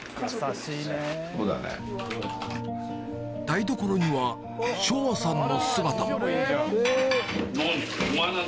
台所には唱和さんの姿もお前何。